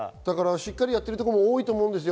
しっかりやってるところも多いと思います。